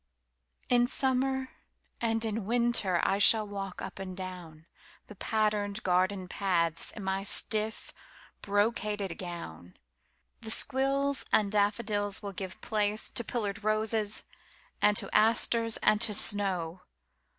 In Summer and in Winter I shall walkUp and downThe patterned garden pathsIn my stiff, brocaded gown. The squills and daffodilsWill give place to pillared roses, and to asters, and to snow.